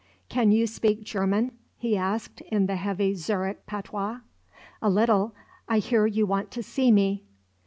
"Can you speak German?" he asked in the heavy Zurich patois. "A little. I hear you want to see me."